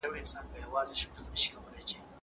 هیوادونه کله د ډیپلوماسۍ اصول کاروي؟